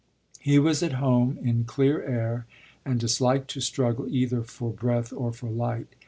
He was at home in clear air and disliked to struggle either for breath or for light.